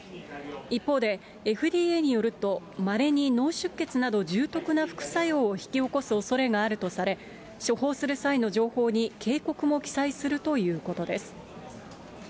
一方でＦＤＡによると、まれに脳出血など重篤な副作用を引き起こすおそれがあるとされ、処方する際の情報に警告も記載するということです。